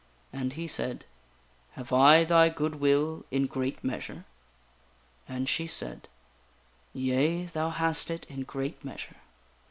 And he said: "Have I thy good will in great measure?" And she said: " Yea, thou hast it in great measure."